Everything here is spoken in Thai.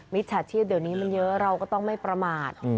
จฉาชีพเดี๋ยวนี้มันเยอะเราก็ต้องไม่ประมาท